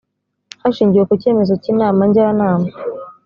hashingiwe ku cyemezo cy’ inama njyanama